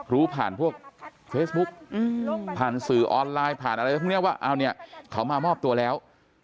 รู้ผ่านพวกเฟซบุ๊กผ่านสื่อออนไลน์ผ่านอะไรพวกนี้ว่าเอาเนี่ยเขามามอบตัวแล้ว